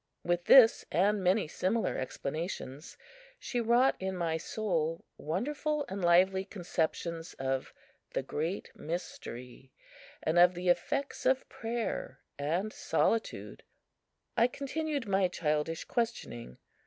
With this and many similar explanations she wrought in my soul wonderful and lively conceptions of the "Great Mystery" and of the effects of prayer and solitude. I continued my childish questioning.